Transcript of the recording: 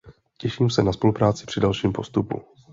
Těším se na spolupráci při dalším postupu.